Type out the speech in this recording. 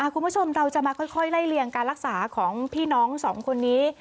คุณผู้ชมเราจะมาค่อยไล่เลี่ยงการรักษาของพี่น้องสองคนนี้